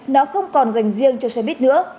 nó không còn dành riêng cho xe buýt nữa